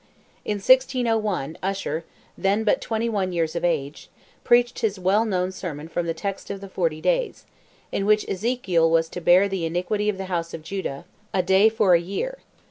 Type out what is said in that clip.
In 1601, Usher, then but 21 years of age, preached his well known sermon from the text of the forty days, in which Ezekiel "was to bear the iniquity of the house of Judah—a day for a year."